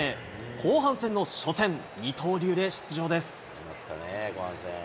後半戦の初戦、二刀流で出場です。